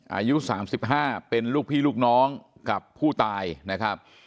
อายุ๓๕เป็นลูกพี่ลูกน้องกับผู้ตายนะครับ